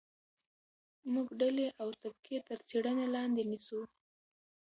موږ ډلې او طبقې تر څېړنې لاندې نیسو.